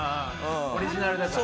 オリジナルだから。